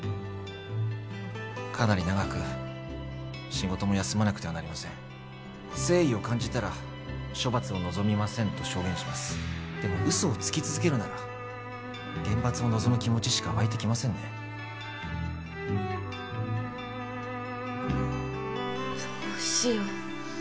かなり長く仕事も休まなくてはなりません誠意を感じたら処罰を望みませんと証言しますでも嘘をつき続けるなら厳罰を望む気持ちしか湧いてきませんねどうしよう